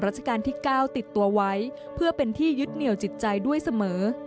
ราชการที่๙ติดตัวไว้เพื่อเป็นที่ยึดเหนียวจิตใจด้วยเสมอ